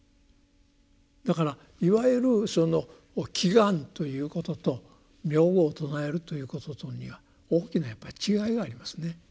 だからいわゆるその「祈願」ということと「名号を称える」ということとには大きなやっぱり違いがありますね。